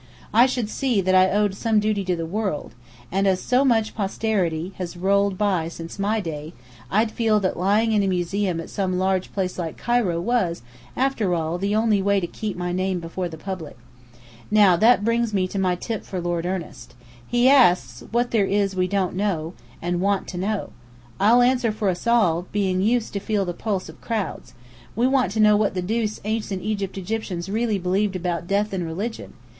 I should see that I owed some duty to the world; and as so much posterity had rolled by since my day, I'd feel that lying in a museum at some large place like Cairo, was, after all, the only way to keep my name before the public. Now, that brings me to my tip for Lord Ernest. He asks what there is we don't know, and want to know. I'll answer for us all, being used to feel the pulse of crowds. We want to know what the deuce Ancient Egyptians really believed about death and religion.